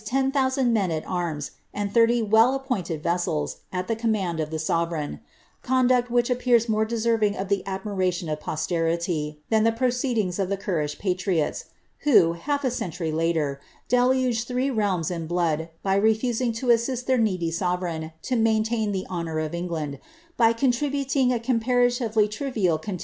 OOO men at arms, and th: appointed vessels, at the command of the sovereign ^ condu appears more deserving of the admiration of posterity than the ings of the churlish patriots, who, half a century later, deluf realms in blood, by refusing to assist their needy sovereign to the honour of England, by contributing a comparatively trivia ' Camden.